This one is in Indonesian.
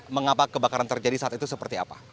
mengapa kebakaran terjadi saat itu seperti apa